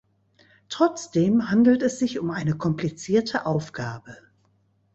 Trotzdem handelt es sich um eine komplizierte Aufgabe.